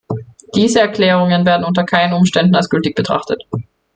Diese Erklärungen werden unter keinen Umständen als gültig betrachtet.